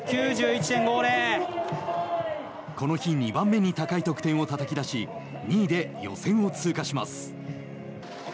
この日、２番目に高い得点をたたき出し２位で予選を通過します。